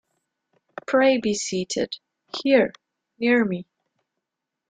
Pray be seated — here near me.